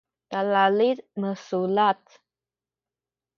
kalalid misulac